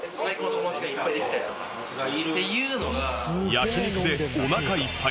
焼き肉でおなかいっぱい